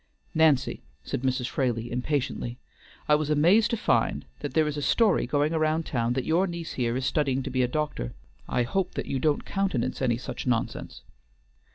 "Nancy," said Mrs. Fraley impatiently, "I was amazed to find that there is a story going about town that your niece here is studying to be a doctor. I hope that you don't countenance any such nonsense?"